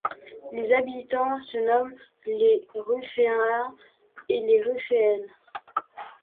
Les habitants se nomment les Rufféens et Rufféennes.